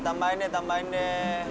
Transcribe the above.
tambahin deh tambahin deh